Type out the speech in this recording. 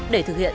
để thực hiện